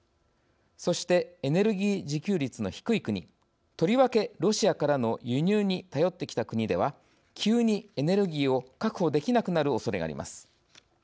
そしてエネルギー自給率の低い国とりわけ、ロシアからの輸入に頼ってきた国では急にエネルギーを確保できなくなるおそれがあります。